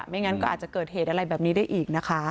งั้นก็อาจจะเกิดเหตุอะไรแบบนี้ได้อีกนะคะ